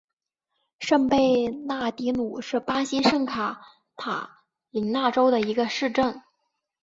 圣贝纳迪努是巴西圣卡塔琳娜州的一个市镇。